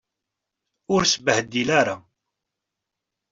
Ur sbehdil ara.